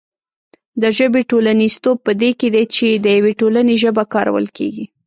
د ژبې ټولنیزتوب په دې کې دی چې د یوې ټولنې ژبه کارول کېږي.